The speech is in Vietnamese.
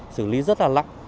sử lý rất là lắc